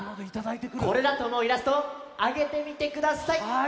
これだとおもうイラストをあげてみてください！